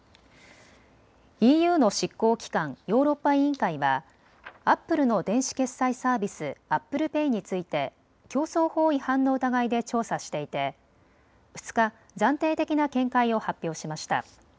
ＥＵの執行機関、ヨーロッパ委員会はアップルの電子決済サービス、アップルペイについて競争法違反の疑いで調査していて２日、暫定的な見解を発表しました。